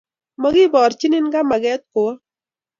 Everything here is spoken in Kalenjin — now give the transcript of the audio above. Makiboorchin kimakeet kowo